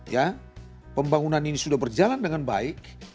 ya pembangunan ini sudah berjalan dengan baik